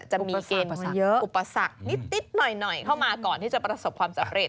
จะมีเกณฑ์อุปสรรคนิดหน่อยเข้ามาก่อนที่จะประสบความสำเร็จ